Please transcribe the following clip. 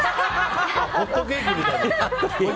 ホットケーキみたい。